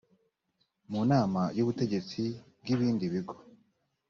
mu nama y ubutegetsi bw ibindi bigo